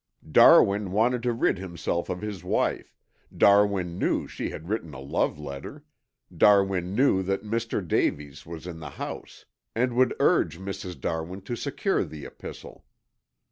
"Darwin wanted to rid himself of his wife, Darwin knew she had written a love letter, Darwin knew that Mr. Davies was in the house and would urge Mrs. Darwin to secure the epistle.